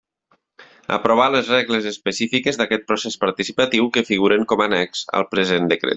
Aprovar les regles específiques d'aquest procés participatiu que figuren com a Annex al present Decret.